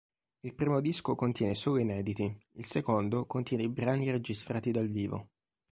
Il primo disco contiene solo inediti; il secondo contiene brani registrati dal vivo.